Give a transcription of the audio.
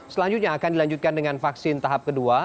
selanjutnya akan dilanjutkan dengan vaksin tahap kedua